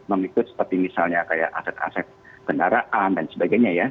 memikut seperti misalnya kayak aset aset kendaraan dan sebagainya ya